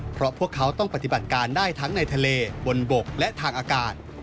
เพราะพวกเขาต้องปฏิบัติการได้ทั้งในทะเลบนบกและทางอากาศ